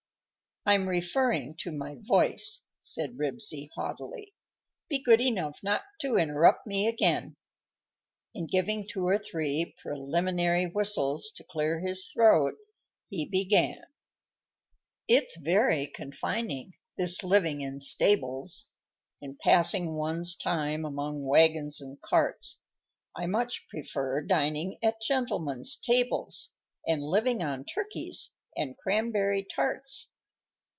"I'm referring to my voice," said Ribsy, haughtily. "Be good enough not to interrupt me again;" and, giving two or three preliminary whistles to clear his throat, he began: _It's very confining, this living in stables, And passing one's time among wagons and carts; I much prefer dining at gentlemen's tables, And living on turkeys and cranberry tarts.